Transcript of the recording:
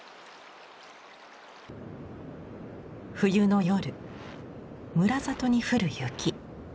冬の夜村里に降る雪。